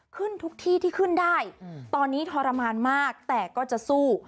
ขึ้นทุกที่ที่ขึ้นได้ตอนนี้ทรมานมากแต่ก็จะสู้